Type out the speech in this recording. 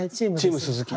チーム鈴木。